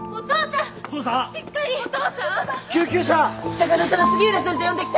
坂の下の杉浦先生呼んできて！